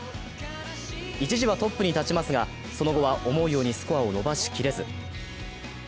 一時はトップに立ちますが、その後は思うようにスコアを伸ばしきれず。